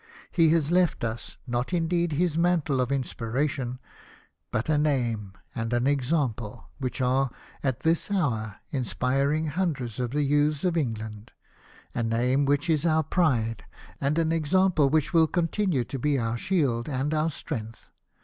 He has left us, not indeed his mantle of inspiration, but a name and an example which are at this hour inspiring hundreds of the youth of England — a name which is our pride, and an example which will continue to be our shield and our strength.